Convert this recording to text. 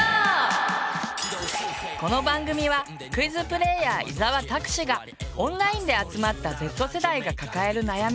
この番組はクイズプレーヤー伊沢拓司がオンラインで集まったＺ世代が抱える悩み